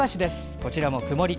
こちらも曇り。